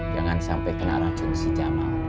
jangan sampai kena racun si jamal